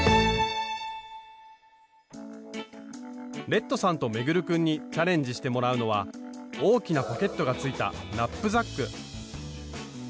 レッドさんと運君にチャレンジしてもらうのは大きなポケットがついたナップザック。